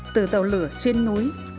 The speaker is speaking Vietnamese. từ tàu lửa xuyên núi